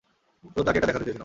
শুধু তাকে এটা দেখাতে চেয়েছিলাম।